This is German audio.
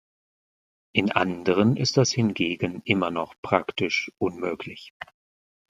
In anderen ist das hingegen immer noch praktisch unmöglich.